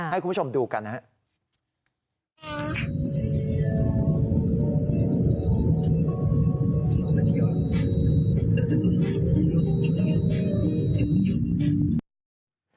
ให้คุณผู้ชมดูกันนะครับ